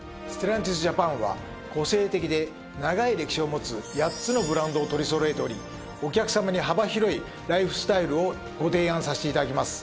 Ｓｔｅｌｌａｎｔｉｓジャパンは個性的で長い歴史を持つ８つのブランドを取りそろえておりお客様に幅広いライフスタイルをご提案させて頂きます。